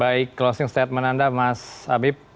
baik closing statement anda mas habib